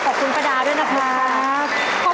ขอบคุณประดาวด้วยนะครับ